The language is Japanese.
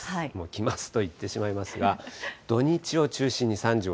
来ますと言ってしまいますが、土日を中心に３５度。